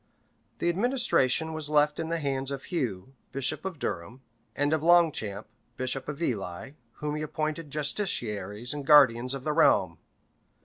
The administration was left in the hands of Hugh, bishop of Durham, and of Longchamp, bishop of Ely, whom he appointed justiciaries and guardians of the realm.